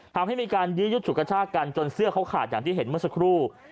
ทำให้มีการยื้อยุดฉุดกระชากันจนเสื้อเขาขาดอย่างที่เห็นเมื่อสักครู่